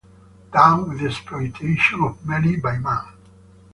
Down with the exploitation of man by man!